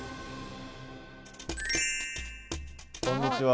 こんにちは。